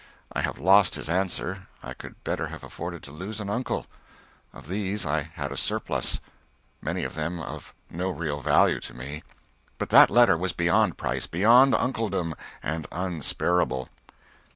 I have lost his answer, I could better have afforded to lose an uncle. Of these I had a surplus, many of them of no real value to me, but that letter was beyond price, beyond uncledom, and unsparable.